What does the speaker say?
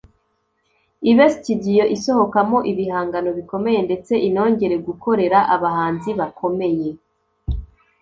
ibe studio isohokamo ibihangano bikomeye ndetse inongere gukorera abahanzi bakomeye